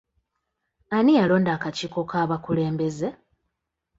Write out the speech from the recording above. Ani yalonda akakiiko k'abakulembeze?